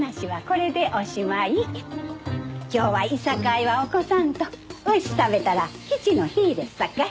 今日はいさかいは起こさんと牛食べたら吉の日ですさかい。